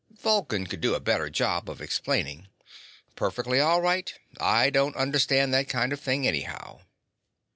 Vulcan could do a better job of explaining." "Perfectly all right. I don't understand that kind of thing anyhow."